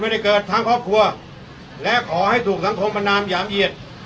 ไม่ได้เกิดทั้งครอบครัวและขอให้ถูกสังคมประนามหยามเหยียด